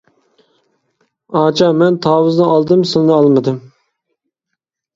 ئاچا، مەن تاۋۇزنى ئالدىم سىلنى ئالمىدىم.